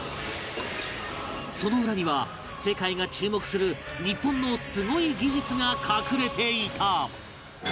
その裏には世界が注目する日本のすごい技術が隠れていた